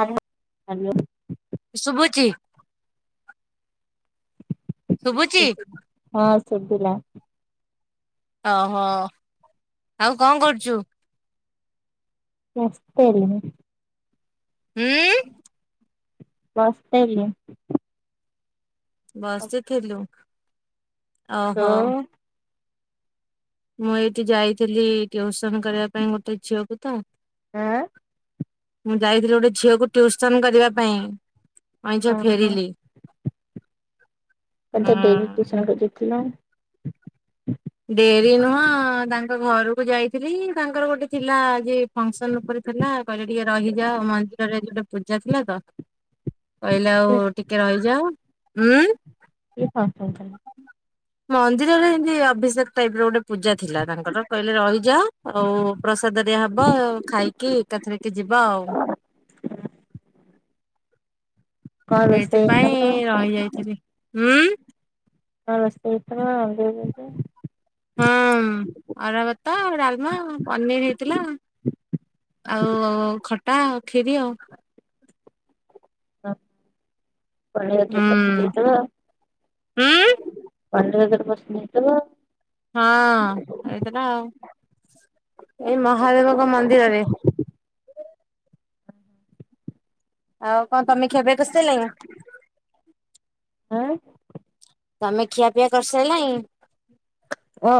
Hello, hello. ସୁଭୁଚି? ଶୁଭୁଚି ହଁ, ସୁଵିଲା। ଓ, ହ। ଆଉ କଣ କରୁଚୁ? ବସିଥିଲି। ଉଁ? ବସିଥିଲି। ବସିଥିଲୁ, ଓହୋ। ମୁଁ ଏଇଠି ଯାଇଥିଲି ଟିୟୁସନ କରିବା ପାଇଁ ଗୋଟେ ଝିଅକୁ ତ, ମୁଁ ଯାଇଥିଲି ଗୋଟେ ଝିଅକୁ ଟିୟୁସନ କରିବା ପାଇଁ, ଅଇଁଛ ଫେରିଲି। ଏତେ ଡେରି ଉଁ ଟିୟୁସନ କରିଯାଇଥିଲ? ଡେରି ନୁହଁ ତାଙ୍କ ଘରକୁ ଯାଇଥିଲି। ତାଙ୍କର ଗୋଟେ ଥିଲା ଯେ ଫଙ୍କସନ ଉପରେ ଥିଲା। କହିଲେ ଟିକେ ରହିଯାଅ, ମନ୍ଦିରରେ ଗୋଟେ ପୂଜା ଥିଲା ତ। କହିଲେ ଆଉ ଟିକେ ରହିଯାଅ। ହୁଁ? ଏଇ ହ ହ [unintelligible] ମନ୍ଦିରରେ ଏମିତି ଅଭିଷେକ ଟାଇପର ଗୋଟେ ପୂଜା ଥିଲା। ତାଙ୍କର କହିଲେ ରହିଯାଅ। ଆଉ ପ୍ରସାଦ ହେରିକା ହବ, ଖାଇକି ଏକାଥରକେ ଯିବା ଆଉ। ଏଇଥିପାଇଁ ରହିଯାଇଥିଲି। ଉଁ? ନସ୍ତତ [unintelligible] ହୁଁ, ଅରୁଆ ଭାତ, ଡାଲମା, ପନିର ହେଇଥିଲା। ଆଉ ଖଟା, ଖିରି ଆଉ। ହଁ ପଣିେଇ୍ର ପାସତ ହୁଁ [unintelligible] ଉଁ ପଢାଗର ପସନ ନେଇ ତ [unintelligible] ହଁ, ହେଇଥିଲା ଆଉ, ଏଇ ମହାଦେବଙ୍କ ମନ୍ଦିରରେ। ଆଉ କଣ ତମେ ଖିଆ ପିଆ କରି ସାରିଲଣି ନା? ଉଁ? ତମେ ଖିଆପିଆ କରିସାରିଲଣି? ଓ?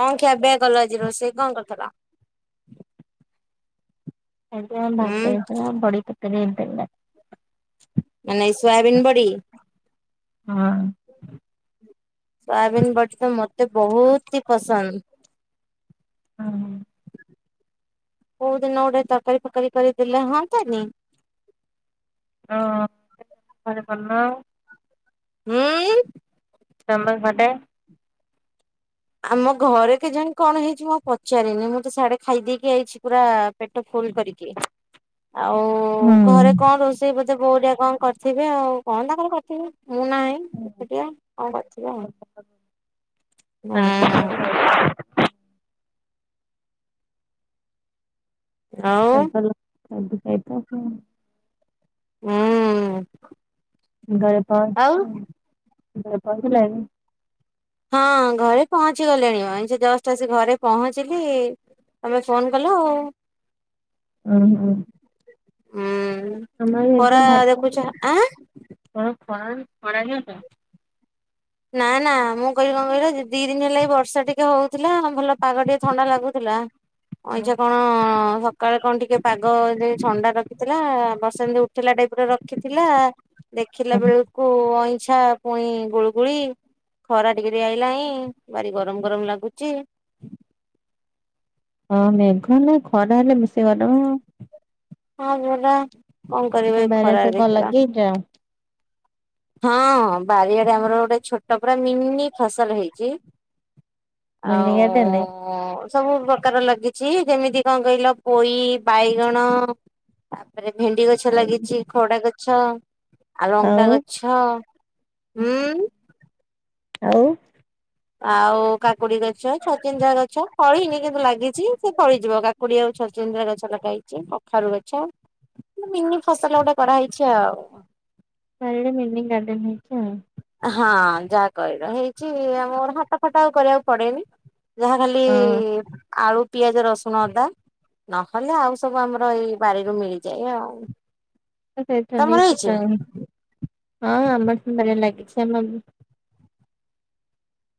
କଣ ଖିଆ ପିଆ କଲ ଆଜି, ରୋଷଇ କଣ କରିଥିଲ? ଏମତି ହୁଁ ଭାତ ହେଇଥିଲା। ବଡି ତରକାରୀ ହେଇଥିଲା। ମାନେ ସୋୟାବନ୍ ବଡି? ହୁଁ। ସୋୟାବିିନ ବଡି ତ ମତେ ବହୁତ ହି ପସନ୍ଦ। ହୁଁ। କୋଉ ଦିନ ଗୋଟେ ତରକାରୀ ଫକାରି କରି ଦେଲେ ହୁଆନ୍ତାନି। ହଁ, କଣ କହିଲ? ହୁଁ? ଚବଲ ମଟର [unintelligible] ଆମ ଘରେ କେଜାଣି କଣ ହେଇଛି ମୁଁ ପଚାରିନି। ମୁଁ ତ ସାଡେ ଖାଇଦେଇକି ଆଇଛି ପୁରା ପେଟ ଫୁଲ କରିକି। [unintelligible] ଆଉ ଓଉ ଘରେ କଣ ରୋଷେଇ ବୋଧେ [unintelligible] କଣ କରିଥିବେ ଆଉ, କଣ ତାଙ୍କରେ କରିଥିବେ ମୁଁ ନାହିଁ। ଏକୁଟିଆ କଣ କରିିଥୀବ [inaudible] ଆଉ [unintelligible] ହୁଁ। ଗଳପ ଆଉ ଗଳପକୁଲନି। ହଁ ଘରେ ପହଞ୍ଚି ଗଲେଣି। [unintelligible] ଜଷ୍ଟ ଆସି ଘରେ ପହଞ୍ଚିଲି। ତମେ ଫୋନ କଲ ଆଉ। ହଁ ହ। ହୁଁ ହେଇଥିଲା ଖରା ଦେଖୁଛ, ଭାତ ଆଁ? [unintelligible] [unintelligible] ନା ନା ମୁଁ କହିବି କଣ କହିଲ ଯିବ ଦି ଦିନଏଁ ହେଲା ବର୍ଷା ଟିକେ ହଉଥିଲା ଭଲ ପାଗ ଟିକେ ଥଣ୍ଡା ଲାଗୁଥିଲା। ଅଇଛା କଣ ସକାଳେ କଣ ଟିକେ ପାଗ ଯ ଛଣ୍ଡା ରଖିଥିଲା ବସନ୍ତି [unintelligible] ଟାଇପ ର ରଖିଥିଲା, ଦେଖିଲା ଓହୋ। ବେଳକୁ ଅଇଁଛା ପୁଣି ଗୁଳ ଗୁଳି ଖରା ଟିକେରି ଆଇଲାଣିି ଭାରି ଗରମ ଗରମ ଲାଗୁଚି। ହଁ ମେଘ ନା ଖରା ହେଲେ ମିଶେଇ [unintelligible] ଆଉ। ହଁ ଭରା କଣ କରିବେ ଖରାରେ ଦେଖିଲ। ଯା। ହଁ ବାରିଆଡେ ଆମର ଗୋଟେ ଛୋଟ ପରା, ମିନି ଫସଲ ହେଇଛି। ମିନି ଆଉ ଗାର୍ଡେନ ଓଁ ସବୁ ପ୍ରକାର ଲାଗିଛି ଯେମିତି କଣ କହିଲ ପୋଇ, ବାଇଗଣ ତାପରେ ଭେଣ୍ଡି ଗଛ ଆଉ ଲାଗିଛି, ଖଡା ଗଛ ଆଉ, ଆଉ ଲଙ୍କା ଗ [unintelligible] ହୁଁ ଆଉ? ଆଉ କାକୁଡି ଗଛ ଛଚିନ୍ଦ୍ରା ଗଛ, ଫଳିନି କିନ୍ତୁ ଲାଗିଛି ସେ ଫଳିଯିବ। କୁଡି ଆଉ ଛଚିନ୍ଦର୍ ଗଛ ଲଗା ହେଇଛି କଖାରୁ ଗଛ। ମିନି ଫସଲ ଗୋଟେ କରାହଇଛି ଆଉ। ଚାରିଆଡେ [unintelligible] ଗାର୍ଡେନ ହେଇଚି ଆଉ। ହଁ ଯାହା କହିଲ, ହେଇଚି ଆମର ହାଟ ଫାଟ ଆଉ କରିବାକୁ ପଡେନି। ଯାହା ଖାଲି ହଁ ଆଳୁ, ପିଆଜ, ରସୁଣ, ଅଦା, ନହେଲେ ଆଉ ସବୁ ଆମର ଏଇ ବାରିରୁ ମିଳିଯାଏ ଆଉ। ସେଇଟା ତମର ନେଇକି ହେଇଛି [unintelligible] [unintelligible] ଲାଗିଛି। ଆମ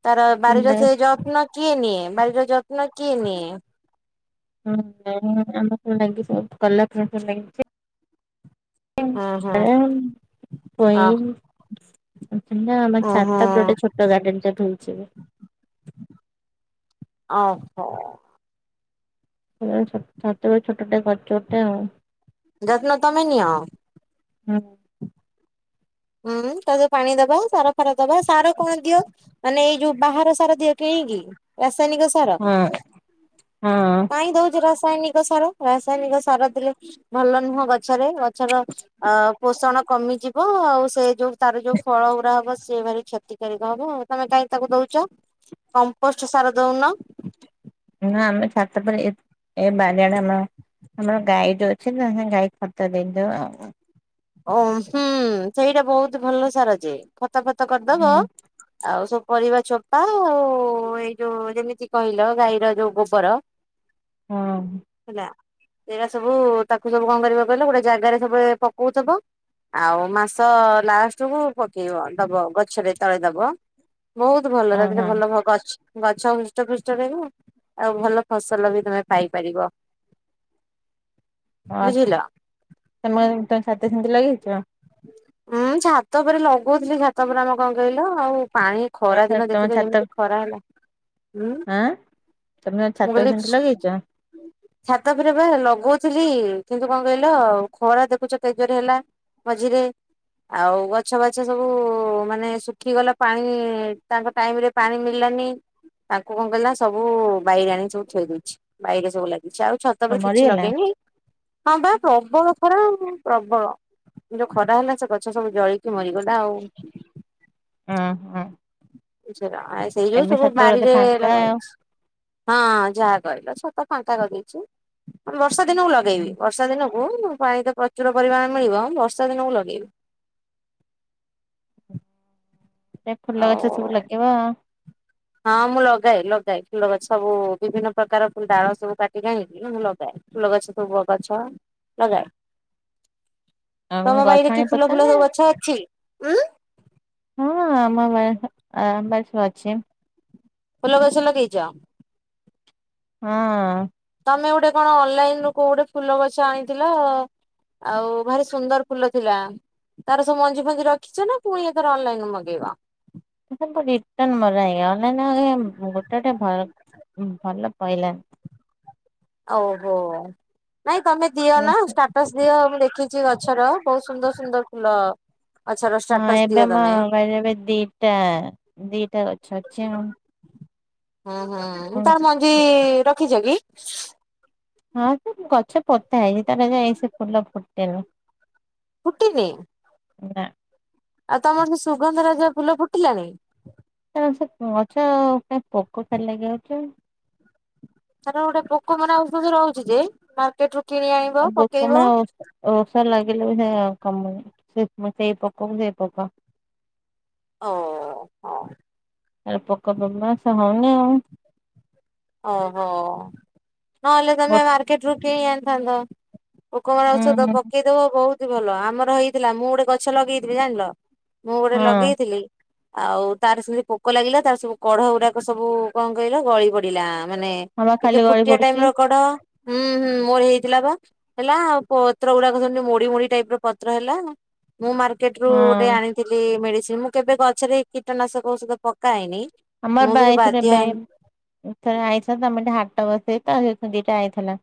ତାର ବାରିର ସେ ଯତ୍ନ କିଏ ନିଏ? ବାରିର ଯତ୍ନ କିଏ ନିଏ? [unintelligible] [unintelligible] [inaudible] ଲାଗିଚି। ଅ ହଁ। [unintelligible] [unintelligible] ଛାତ ଉପରେ ଗୋଟେ ହଁ ଛୋଟ ଗାର୍ଡେନଟେ କରିଚୁ ଏବେ। ଅ ହ। [unintelligible] ଛାତରେ ଛୋଟଟେ କରିଚୁ ଗୋଟେ ଆଉ। ଯତ୍ନ ତମେ ନିିଅ? ହଁ। [unintelligible] [unintelligible] ସାର କଣ ଦିଅ? ମାନେ ଏଇ ଯଉ ବାହାର ସାର ଦିଅ କିଣିକି? ରାସାୟନିକ ସାର। ହଁ ହଁ କାଇଁ ଦଉଚ ରାସାୟନିକ ସାର, ରାସାୟନିକ ସାର ଦେଲେ ଭଲ ନୁହଁ ଗଛରେ ଗଛର ଅ ପୋଷଣ କମିଯିବ ଆଉ ସେ ଯୋଉ ତାର ଯୋଉ ଫଳ ଗୁରା ହବ ସେ ଭାରି କ୍ଷ କ୍ଷତିକାରକ ହବ ତମେ କାଇଁ ତାକୁ ଦଉଚ କମ୍ପୋଷ୍ଟ ସାର ଦଉନ। ନା ଆମେ ଛାତଉପରେ ଏ ଏ ବାରିଆଡେ ଆମ ଆମର ଗାଈ ଟେ ଅଛି ତା ସାଙ୍ଗେ ଗାଈ ଖତ ଦେଇଦଉ ଆଉ। ଓ ହୁଁ ସେଇଟା ବହୁତ ଭଲ ସାରଯେ ଖତ ଫତ କରିଦବ ହୁଁ। ଆଉ ସବୁ ପରିବା ଚୋପା ଆଉ ଏଇ ଯୋଉ ଯେମିତି କହିଲ ଗାଈର ଯୋଉ ଗୋବର ହଁ। ହେଲା ଏରା ସବୁ ତାକୁ ସବୁ କଣ କରିବ କହିଲ ଗୋଟେ ଜାଗାରେ ସବୁବେଳେ ପକଉଚ ତ? ଆଉ ମାସ ଲାଷ୍ଟ କୁ ପକେଇବ ଦବ ଗଛରେ ତଳେ ଦବ। ବହୁତ ଭଲରା ଗରେ ଓହୋ ଭଲ ଘଗଛ ଗଛ ହୃଷ୍ଟପୃଷ୍ଟ ରହିବ ଆଉ ଭଲ ଫସଲ ବି ତମେ ପାଇପାରିବ। ହଁ ବୁଝିଲ? ତମେ ହେମିତି ତମେ ସାତରେ ସେମିତି ଲଗେଇଚ? ହୁଁ ଛାତ ଉପରେ ଲଗଉଥିଲି ଛାତ ଉପରେ ଆମର କଣ କହିଲ ଆଉ ପାଣି ଖରା ତମ ଦିନ ତମ ଦେଖିଲେ ଛାତ କେମିତି ଖରା ହେଲା। ହୁଁ ଆଁ ତମେ ଛାତ ମୁଁ ଓପରେ କହିଲି ସେମିତି ଲଗେଇଛ? ଛାତ ଉପରେ ବା ଲଗଉଥିଲି କିନ୍ତୁ କଣ କହିଲ ଖରା ଦେଖୁଛ କେତେ ଜୋରେ ହେଲା। ମଝିରେ। ଆଉ ଗଛ ବାଛ ସବୁ ମାନେ ଶୁଖିଗଲା ପାଣି ତାଙ୍କ ଟାଇମ ରେ ପାଣି ମିଳିଲାନି ତାଙ୍କୁ କଣ କଲିନା ସବୁ ବାଇରେ ଆଣି ସବୁ ଥୋଇ ଦେଇଛି ବାଇରେ ସବୁ ଲାଗ କିଛି ଆଉ ଛାତ ଉପରେ କିଛି ମରିଗଲା? ଲଗେଇନି ହଁ ବା ପ୍ରବଳ ଖରାଆଉ ପ୍ରବଳ ଏ ଯଉ ଖରା ହେଲା ସେ ଗଛ ସବୁ ଜଳିକି ମରିଗଲା ଆଉ। ଉଁ ହୁଁ। ଏ ସେରା ସେଇ ଯୋଗୁ ସବୁ ବୋଧେ ବାରିରେ ଫାଙ୍କା ଆଉ। ଲଗାହେଇଚି। ହଁ ଯାହା କହିଲ ଛାତ ଫାଙ୍କା ରଖିଚି ବର୍ଷା ଦିନକୁ ଲଗେଇବି। ବର୍ଷା ଦିନକୁ ପାଣି ତ ପ୍ରଚୁର ପରିମାଣ ମିଳିବ ବର୍ଷା ଦିନକୁ ଲଗେଇବି। ଏ ଫୁଲ ଗଛ ଆଉ ସବୁ ଲଗେଇବ। ହଁ ମୁଁ ଲଗାଏ ଲଗାଏ ଫୁଲଗଛ ସବୁ ବିଭିନ୍ନ ପ୍ରକାର ଫୁ ଡାଳ ସବୁ କାଟିିକି ଆଣିକି ମୁଁ ଲଗାଏ। ଫୁଲ ଗଛ ସବୁବ ଗଛ ଲଗାଏ। ଆଉ ଗଛ ଆଣି ପୋତ ନା? ଛ ଅଛି। ଉଁ ହଁ ଆମ ବାରି ଆମ ବା ସ ଅଛି। ଫୁଲ ଗଛ ଲଗେଇଚ? ହଁ। ତମେ ଗୋଟେ କଣ ଅନଲାଇନ ରୁ କୋଉ ଗୋଟେ ଫୁଲ ଗଛ ଆଣିଥିଲ? ଆଉ ଭାରି ସୁନ୍ଦର ଫୁଲ ଥିଲା। ତାର ସବୁ ମଞ୍ଜି ଫଞ୍ଜି ରଖିଛେ ନା ପୁଣି ଏଥର ଅନଲାଇନ ମଗେଇବା। ସବୁ ରିଟର୍ ମଗାଇ ଅନଲାଇନ ଆ ଗୋଟେଟେ ଭଲ ଭଲ ପହିଲାନି। ଓହୋ ନାଇଁ ତମେ ଦିଅ ନା ଷ୍ଟା ଟସ୍ ଦିଅ ମୁଁ ଦେଖିଛି ଗଛର ବହୁତ ସୁନ୍ଦର ସୁନ୍ଦର ଫୁଲ ଗଛର ହଁ ଷ୍ଟାଟସ ଏବେ ଦିଅ ଆମ ତମେ ବାଇରେ ଏବେ ଦିଟା ଦିଟା ଗଛ ଅଛି ଆଉ। ହୁଁ ହୁଁ ତାର ମଞ୍ଜି ରଖିଛ କି? ହଁ ସେ ଗଛ ପୋତା ହେଇଛି ତାର ଯାଇ ସେ ଫୁଲ ଫୁଟିନି। ପୁଟିନି? ନା। ଆଉ ତମର ସେ ସୁଗନ୍ଧ ରାଜଜ ଫୁଲ ଫୁଟିଲାଣି? ତ ସେ ଗଛ କ ପୋକ ଖାଲି ଲାଗି ଯାଉଛି। ତାର ଗୋଟେ ପୋକ ମରା ଔଷଧ ରହୁଛି ଯେ ମାର୍କେଟ ରୁ କିଣି ଆଣିବ ପକେଇବ ଓଷା ଲାଗିଲେ ବି ସେଉ କମୁନି ସେଇ ପୋକକୁ ସେଇ ପକ। ହଁ। ଆ ପକା ବାବାସ ହଉନି ଆଉ। ଓହୋ। ନହେଲେ ଗୋ ତମେ ମାର୍କେଟରୁୁ କିଣି ଆଣିଥାନ୍ତ। ପୋକ ମରା ଔଷଦ ହୁଁ ପକେଇ ଶିମ ବହୁତ ଭଲ ଆମର ହେଇଥିଲା। ମୁଁ ଗୋଟେ ଗଛ ଲଗେଇଥିଲି। ଜାଣିଲ ମୁଁ ଗୋଟେ ହଁ ଲଗେଇଥିଲି ଆଉ ତାର ସେମିତି ପୋକ ଲାଗିଲା। ତାର ସବୁ କଢ ଗୁଡାକ ସବୁ କଣ କହିଲ ଗଳି ପଡିଲା। ମାନେ ହଁ ବା ଟିକେ ଖାଲି ଗଳି ଫୁଟିଆ ଟାଇମ ପଡୁଛି ର କଢ। ହୁଁ ହୁଁ ମୋର ହେଇଥିଲା ବା। ହେଲା ଆଉ ପତ୍ର ଗୁଡାକଛନ୍ତି ମୋଡି ମୋଡି ଟାଇପ ର ପତ୍ର ହେଲା। ମୁଁ ମା କେଟରୁ ହଁ ଗୋଟେ ଆଣିଥିଲି ମେଡିସିନ। ମୁଁ, କେବେ ଗଛରେ କୀଟନାଶକ ଔଷଧ ପକାଇନି ଆମର ବାଇଥି ଦେବେ। ଥ ଆଇଥିଲା। ତମେ ଟିକେ ହାଟା ବସେଇ ତ ଦିଟା ଆଇଥିଲା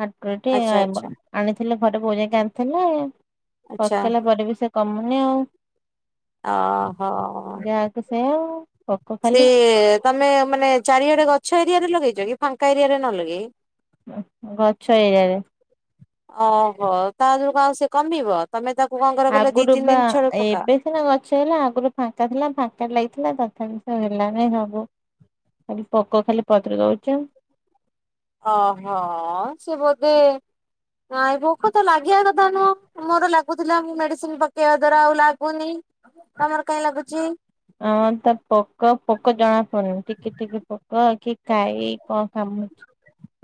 ହାଟରେ ଟିକେ। ଆଚ୍ଛା ଆଚ୍ଛା ଆଣିଥିଲେ ଘରେ ପୂରେଉକି ଆଣିଥିଲେ। ଆଚ୍ଛା ପକେଇଲା ପରେ ବି ସେ କମୁନି ଆଉ। ଓହୋ ଯାଆକୁ ସେୟା। ସିଏ ତମେ ମାନେ ଚାରିଆଡେ ଗଛ ଏରିଆ ରେ ଲଗେଇଛ। କି ଫାଙ୍କା ଏରିଆ ରେ ନ ଲଗେଇ ହୁଁ ହୁଁ ଗଛଛ ଏଇଆଡ଼େ।। ଓହୋ ତା ଯୋଉୁ କଉ ସେ କମିବ। ତମେ ତାକୁ କଣ କର କିଲ ଦି ତିନି ଦିନ ଛଳୁ ପକା। ସେନା ଗଛ ହେଲା। ଆଗରୁ ଫାଙ୍କା ଥିଲା ଫାଙ୍କା ଲାଗିଥିଲା। ତଥାପି ସ ହେଲାନି ସବୁ ଖାଲି ପୋକ ଖାଲି ପତ୍ର ଦଉଚି ଆଉ। ଓହୋ। ସେ ବୋଧେ ନାଇ ଭୋକ ତ ଲାଗିବା କଥା ନୁହଁ। ମୋର ଲାଗୁଥିଲା। ମୁଁ, ମେଡିସିନ ପକେଇବା ଦ୍ଵାରା ଆଉ ଲାଗୁନି, ତମର କହିଁ ଲାଗୁଛି। ହଁ, ତା ପୋକ ଫୋକ ଜଣା ପଡୁନି। ଟିକି ଟିକି ପୋକ କି ଖାଇ କଣ କାମୁ [inaudible]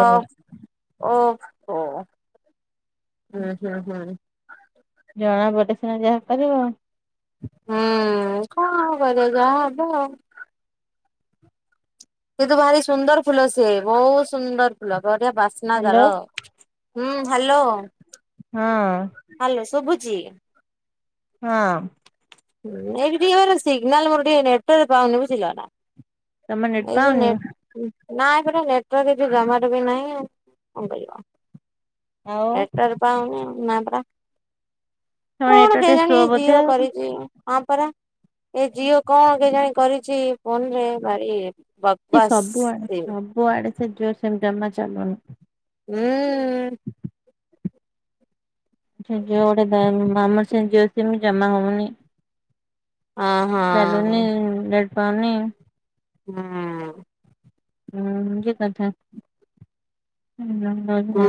ଅଫ ଓଫ ଓ ହ ହୁଁ ହୁଁ। ଜଣା ପଡିଲେ ସିନା ଯାହା କରିବ। ହୁଁ, କଣ କରିଆ ଯାହା ହବ ଆଉ। କିତୁ ଭାରି ସୁନ୍ଦର ଫୁଲ ସିଏ। ବହୁତ ସୁନ୍ଦର ଫୁଲ। ବଢିଆ ବାସ୍ନା ହ୍ୟାଲୋ ତାର। ହୁଁ, ହ୍ୟାଲୋ। ହୁଁ। ହ୍ୟାଲୋ ଶଭୁଛି? ହଁ। ହୁ ଏଇଠ ଟିକେ ମ ସି୍ଗିନାଲ ମୋର ଟିକେ ନେଟାର୍କ ପାଉନି ବୁଝିଲ ନା। ତମ ନେଟ ଏଇଟା ପାଉନି? ନେ ନାଇଁ ପରା ନେଟ୍ ଅର୍କ ଜମାରୁ ବି ନାଇଁ ଆ କଣ କରିବା। ଆଉ ନେଟ ଅର୍କ ପାଇନି ଆଉ ନା ପାରା। ତମ କଣ ନେଟୱାର୍କ ଟିକେ କେହି ସ୍ଲୋ ଜାଣି ଏଇ ବୋଧେ ଝିଅ ଆଉ। କରିଛି। ହଁ ପରା ଏ ଜିଓ କଣ କି ଜାଣି କରିଛି ଫୋନ ରେ ଭାରି ଇଏ। ବକ ବସ୍ ସେ ବୁଆଡେ ସେ ଜିଓ ସେମିତି ଜଜା ଚାଲୁନି। ଉଁ [unintelligible] ଜମା ହଉନି। ହଁ ହଁ ଚାଲୁନି ନେଟ୍ ପାଉନି। ହୁଁ। ହୁଁ ହେ କଥା। ହୁଁ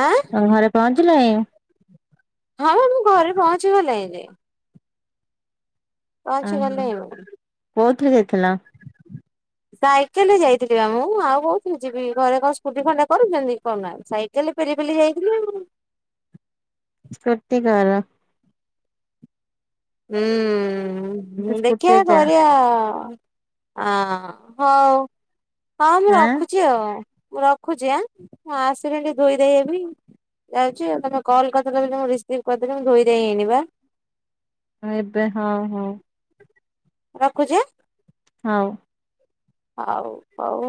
ଆଁ ଘରେ ପହଞ୍ଚିଲଣି? ହଁ ମୁଁ ଘରେ ପହଞ୍ଚିଗଲି ଏଇନେ। ଓହୋ ଗଲିଣି ମୁଁ। କୋଉଥିରେ ଯାଇଥିଲ? ସାଇକେଲ ରେ ଯାଇଥିଲ ବା ମୁଁ ଆଉ କହୁଥିରେ ଯିବି ଘରେ କଣ ସ୍କୁଟି ଖଣ୍ଡେ କରୁଛନ୍ତି କରୁନାହାଁନ୍ତି ସାଇକେ କେଲେ ପେଲି ପେଲି ଯାଇଥିଲି। ସ୍କୁଟିକର। ତୁ ହୁଁ ଦେଖିବା ସ୍କୁଟିରେ ଯା କରିବା। ଆ ହଉ ହଁ ମୁଁ ଆଁ ରଖୁଛି। ଆଉ ମୁଁ ରଖୁଛି ଆ ମୁଁ ଆସିଲି ଟିକେ ଧୋଇ ଧାଇହେବି। ଯାଉଛି ଆଉ ତମେ କଲ୍ କରିଦେଲ ମୁଁ ରିସିଭ୍ କରିଦେଲି ମୁଁ ଧୋଇଧାଇ ହେଇଣିବା। ଏବେ ହଁ ହଁ। ରଖୁଛି ଆ। ହଉ। ହଉ ହଉ।